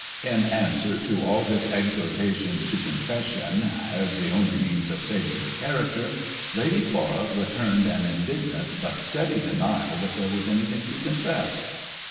In answer to all his exhortations to confession, ' as the only means of saving her character,' Lady Flora returned an indignant, but steady denial that there was anything to confess.